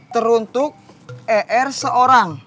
teruntuk er seorang